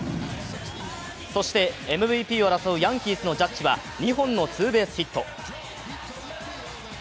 そしてＭＶＰを争うヤンキースのジャッジは２本のツーベースヒット。